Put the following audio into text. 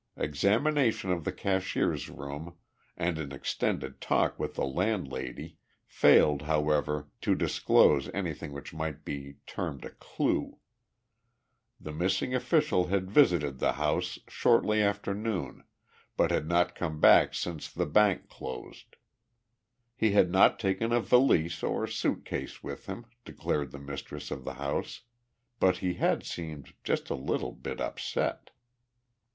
Examination of the cashier's room and an extended talk with the landlady failed, however, to disclose anything which might be termed a clue. The missing official had visited the house shortly after noon, but had not come back since the bank closed. He had not taken a valise or suit case with him, declared the mistress of the house, but he had seemed "just a leetle bit upset."